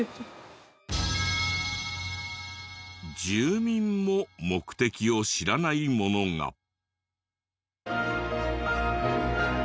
住民も目的を知らないものが。